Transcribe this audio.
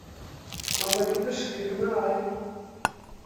Mae wedi dysgu Cymraeg.